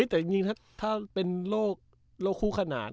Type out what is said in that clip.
แต่อย่างนี้ถ้าเป็นโลกคู่ขนาด